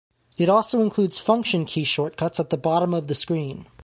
It also includes function key shortcuts at the bottom of the screen.